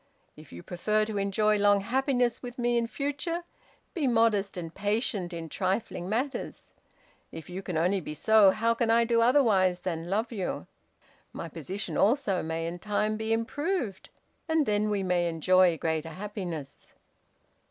If you prefer to enjoy long happiness with me in future, be modest and patient in trifling matters. If you can only be so, how can I do otherwise than love you? My position also may in time be improved, and then we may enjoy greater happiness!'